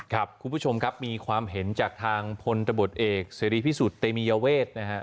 คุณผู้ชมครับมีความเห็นจากทางพลตบทเอกเสรีพิสุทธิเตมียเวทนะฮะ